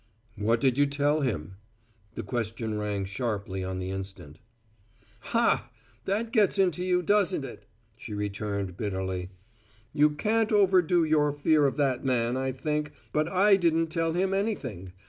"What did you tell him?" The question rang sharply on the instant. "Ha! That gets into you, does it?" she returned bitterly. "You can't overdo your fear of that man, I think, but I didn't tell him anything.